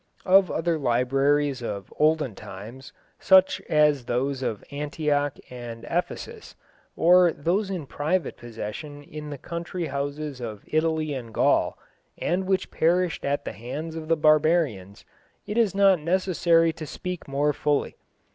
Of other libraries of olden times, such as those of Antioch and Ephesus, or those in private possession in the country houses of Italy and Gaul, and which perished at the hands of the barbarians, it is not necessary to speak more fully.